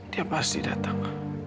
dia pasti datang